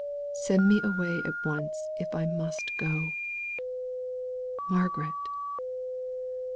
Send me away at once, if I must go; Margaret!